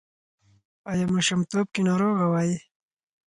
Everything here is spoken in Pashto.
ایا ماشومتوب کې ناروغه وئ؟